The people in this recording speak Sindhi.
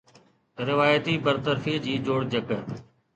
روايتي برطرفي جي جوڙجڪ